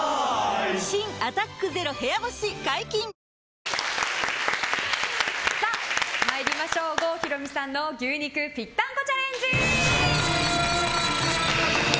新「アタックＺＥＲＯ部屋干し」解禁‼郷ひろみさんの牛肉ぴったんこチャレンジ！